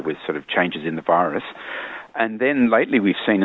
kita melihat perubahan lain dalam virus ini